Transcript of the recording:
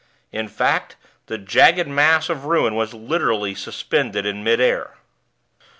In fact, the jagged mass of ruin was literally suspended in midair.